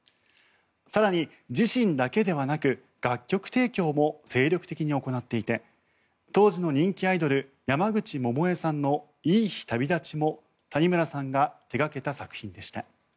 更に、自身だけではなく楽曲提供も精力的に行っていて当時の人気アイドル山口百恵さんの「いい日旅立ち」も谷村さんが手掛けた作品でした。